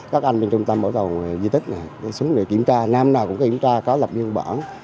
các anh bên trung tâm bảo tồn di tích xuống đây kiểm tra năm nào cũng kiểm tra có lập biên bản